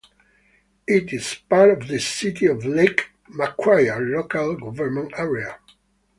It is part of the City of Lake Macquarie local government area.